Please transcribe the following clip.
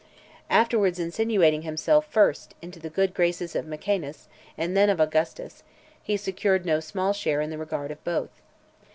Afterwards insinuating himself first, into the good graces of Mecaenas, and then of Augustus, he secured no small share in the regard of both.